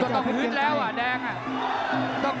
ต้องนีดแล้วแดงค่ะ